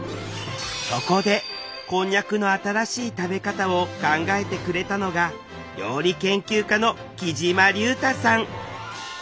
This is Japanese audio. そこでこんにゃくの新しい食べ方を考えてくれたのが料理研究家のきじまりゅうたさん